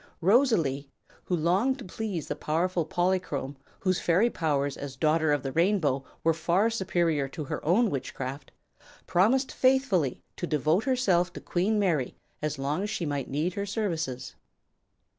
Rosalie, who longed to please the powerful Polychrome, whose fairy powers as Daughter of the Rainbow were far superior to her own witchcraft, promised faithfully to devote herself to Queen Mayre as long as she might need her services.